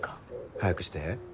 早くして。